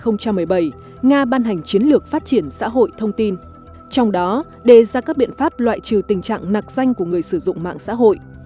năm hai nghìn một mươi bảy nga ban hành chiến lược phát triển xã hội thông tin trong đó đề ra các biện pháp loại trừ tình trạng nạc danh của người sử dụng mạng xã hội